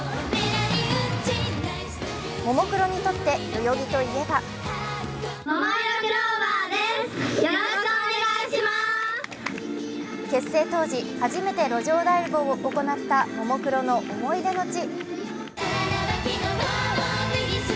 ももクロにとって代々木といえば結成当時、初めて路上ライブを行ったももクロの思い出の地。